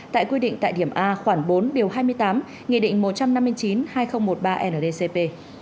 tại quy định tại điểm a khoảng bốn điều hai mươi tám nghị định một trăm năm mươi chín hai nghìn một mươi ba ndcp